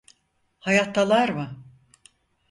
Hayattalar mı?